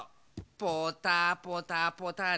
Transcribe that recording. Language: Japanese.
ポタポタポタリ。